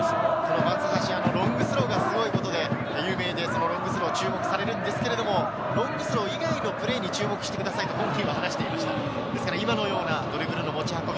松橋はロングスローが強いことで有名で注目されるんですが、ロングスロー以外のプレーに注目してくださいと話していました。